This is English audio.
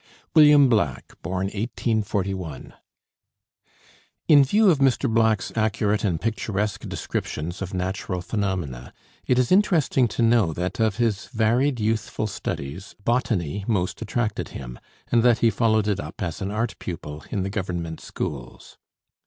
WILLIAM BLACK (1841 ) In view of Mr. Black's accurate and picturesque descriptions of natural phenomena, it is interesting to know that of his varied youthful studies, botany most attracted him, and that he followed it up as an art pupil in the government schools.